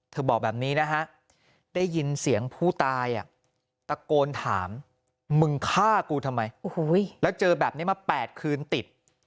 บอกแบบนี้นะฮะได้ยินเสียงผู้ตายตะโกนถามมึงฆ่ากูทำไมแล้วเจอแบบนี้มา๘คืนติด